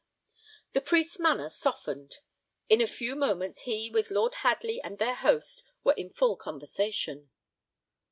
The priest's manner softened. In a few moments he, with Lord Hadley and their host, were in full conversation.